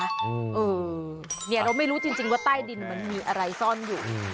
เออเนี่ยเราไม่รู้จริงว่าใต้ดินมันมีอะไรซ่อนอยู่